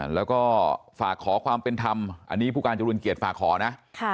แล้วก็ฝากขอความเป็นธรรมอันนี้ผู้การจรุนเกียจฝากขอนะ